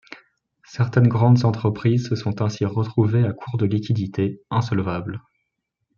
Certaines grandes entreprises se sont ainsi retrouvées à court de liquidités, insolvables.